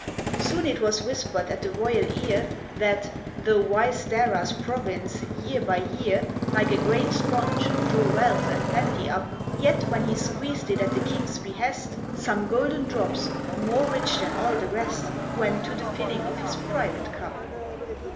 Soon it was whispered at the royal ear That, though wise Dara's province, year by year, Like a great sponge, drew wealth and plenty up, Yet, when he squeezed it at the king's behest, Some golden drops, more rich than all the rest, Went to the filling of his private cup.